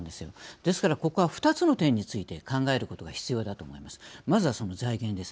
ですからここは２つの点について考えることが必要だと思います。